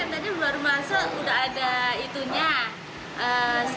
tadi baru masuk udah ada itu nya selang pertamina tuh